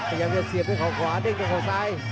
ประยับจะเสียบด้วยของขวาเด้งด้วยของซ้าย